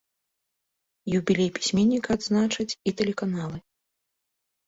Юбілей пісьменніка адзначаць і тэлеканалы.